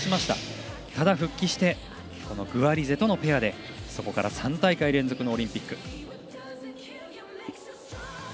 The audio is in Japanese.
ただ復帰してグアリゼとのペアでそこから３大会連続のオリンピック。